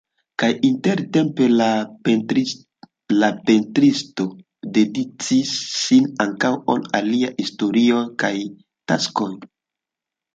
Kaj intertempe la pentristo dediĉis sin ankaŭ al aliaj historioj kaj taskoj.